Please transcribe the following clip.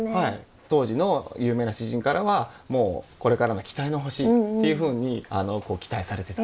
当時の有名な詩人からはもうこれからの期待の星というふうに期待されてたと。